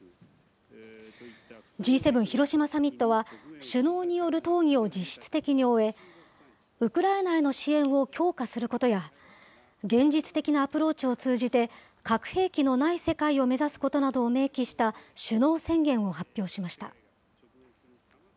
Ｇ７広島サミットは、首脳による討議を実質的に終え、ウクライナへの支援を強化することや、現実的なアプローチを通じて、核兵器のない世界を目指すことなどを明記した首脳宣言を発表しました。